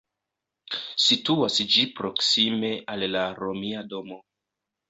Situas ĝi proksime al la Romia domo.